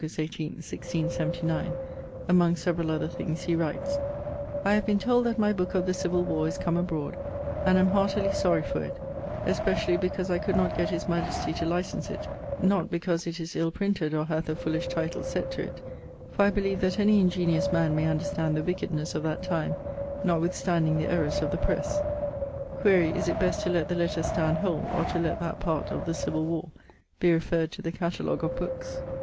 18, 1679, among severall other things, he writes: 'I have been told that my booke of the Civill Warr is come abroad and am heartily sorry for it, especially because I could not get his majestie to license it, not because it is ill printed or hath a foolish title set to it, for I beleeve that any ingeniose man may understand the wickednes of that time, notwithstanding the errors of the presse[CXVI.]. [CXVI.] Quaere is it best to let the letter stand whole or to let that part, of the Civill Warr, be referred to the catalogue of bookes?